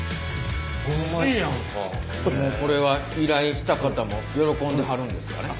これは依頼した方も喜んではるんですかね？